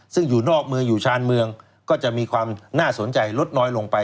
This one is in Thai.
ซึ่งอยู่นอกเมืองอยู่ชานเมืองก็จะมีความน่าสนใจลดน้อยลงไป